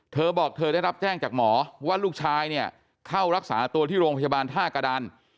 เธอบอกเธอได้รับแจ้งจากหมอว่าลูกชายเนี่ยเข้ารักษาตัวที่โรงพยาบาลท่ากระดาน